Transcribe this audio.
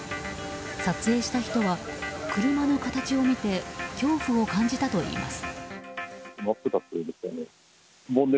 撮影した人は車の形を見て恐怖を感じたといいます。